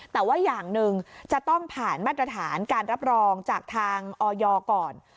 แต่ว่าอย่างหนึ่งจะต้องผ่านมาตรฐานการรับรองจากทางออยก่อน